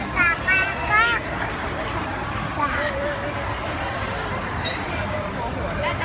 แล้วจะไปไหน